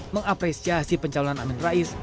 mengapresiasi pencaulan amin rais